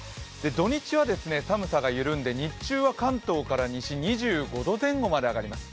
土日は寒さが緩んで、日中は関東から西、２５度前後まで上がります。